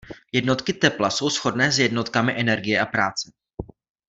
Jednotky tepla jsou shodné s jednotkami energie a práce.